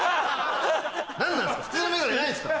何なんですか？